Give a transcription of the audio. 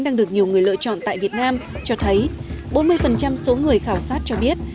đang được nhiều người lựa chọn tại việt nam cho thấy bốn mươi số người khảo sát cho biết